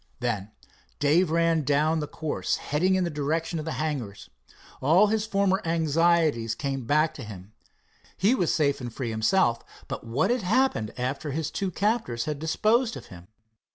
Then Dave ran down the course, heading in the direction of the hangars. All his former anxieties came back to him. He was safe and free himself, but what had happened after his two captors had disposed of him?